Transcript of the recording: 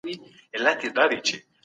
د ماشومانو حقونه باید په کلکه خوندي سي.